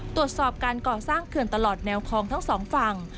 ตรวจสอบการก่อสร้างเขื่อนตลอดแนวคลองทั้งสองฝั่ง